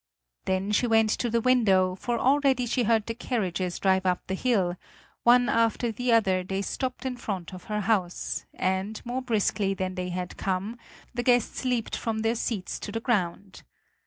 Then she went to the window, for already she heard the carriages drive up the hill; one after the other they stopped in front of her house, and, more briskly than they had come, the guests leaped from their seats to the ground.